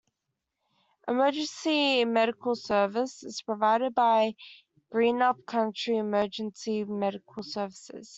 Emergency medical service is provided by Greenup County Emergency Medical Services.